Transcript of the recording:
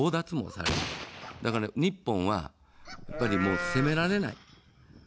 だから日本は、やっぱり攻められない。